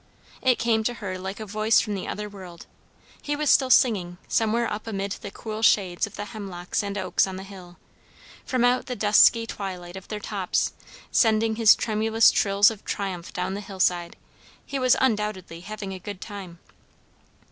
It came to her like a voice from the other world. He was still singing; somewhere up amid the cool shades of the hemlocks and oaks on the hill, from out the dusky twilight of their tops; sending his tremulous trills of triumph down the hillside, he was undoubtedly having a good time.